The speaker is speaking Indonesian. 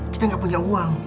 kita gak punya uang